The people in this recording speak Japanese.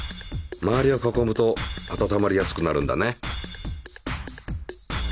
周りを囲むと温まりやすくなるんだね。